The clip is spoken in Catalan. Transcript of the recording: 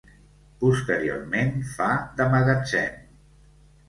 Posteriorment fa de magatzem.